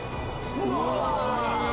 うわ。